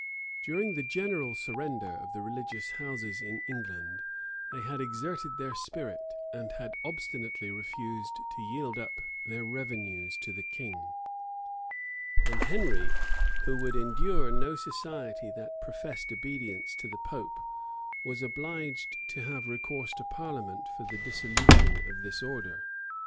During the general surrender of the religious houses in England, they had exerted their spirit, and had obstinately refused to yield up their revenues to the king; and Henry, who would endure no society that professed obedience to the pope, was obliged to have recourse to parliament for the dissolution of this order.